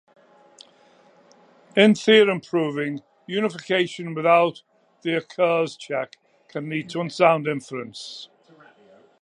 In theorem proving, unification without the occurs check can lead to unsound inference.